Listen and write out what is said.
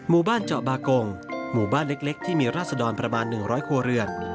บ้านเจาะบากงหมู่บ้านเล็กที่มีราศดรประมาณ๑๐๐ครัวเรือน